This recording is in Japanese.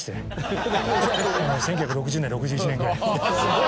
１９６０年６１年ぐらい。